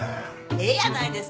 ええやないですか。